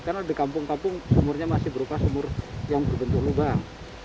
karena di kampung kampung sumurnya masih berupa sumur yang berbentuk lubang